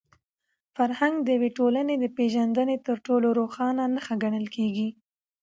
فرهنګ د یوې ټولني د پېژندني تر ټولو روښانه نښه ګڼل کېږي.